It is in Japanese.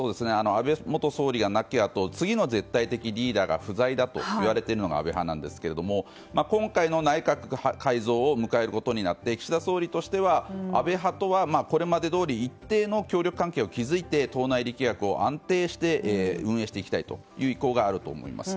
安倍元総理が亡きあと次の絶対的リーダーが不在といわれているのが安倍派なんですが、今回の内閣改造を迎えることになって岸田総理としては安倍派とは、これまでどおり一定の協力関係を築いて党内力学を安定して運営していきたいという意向があると思います。